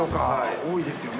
多いですよね。